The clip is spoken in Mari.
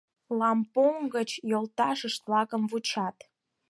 — Лампонг гыч йолташышт-влакым вучат.